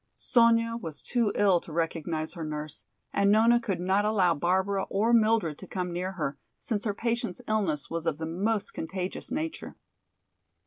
Sonya was too ill to recognize her nurse, and Nona could not allow Barbara or Mildred to come near her, since her patient's illness was of the most contagious nature.